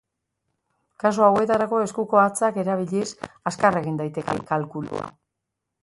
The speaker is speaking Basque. Kasu hauetarako eskuko hatzak erabiliz azkar egin daiteke kalkulua.